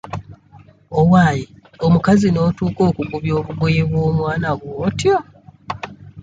Owange omukazi n'otuuka okugubya obugoye bw'omwana bw'otyo!